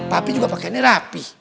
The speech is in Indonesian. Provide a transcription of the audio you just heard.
pak pi juga pakaiannya rapih